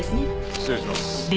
失礼します。